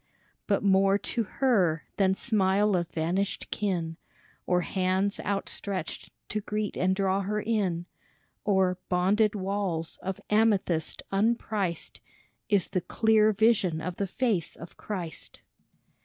But more to her than smile of vanished kin, Or hands outstretched to greet and draw her in, Or " Bonded Walls " of amethyst unpriced, Is the clear vision of the Face of Christ